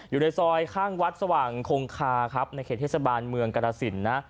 อยู่ในซอยข้างวัดสว่างคงคาครับในเขตเทศบาลเมืองกรสินนะ